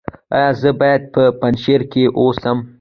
ایا زه باید په پنجشیر کې اوسم؟